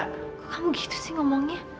kamu gitu sih ngomongnya